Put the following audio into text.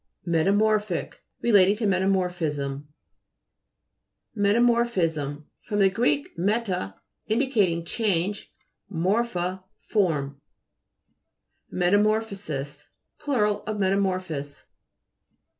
METAMO'RPHIC Relating to meta morphism. METAMO'RPHISM fr. gr. rueta, indi cating change, morphe, form (p. 177). METAMO'RPHOSES Plur. of metamor phosis.